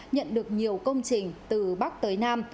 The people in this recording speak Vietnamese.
nhận được nhiều công trình từ bắc tới nam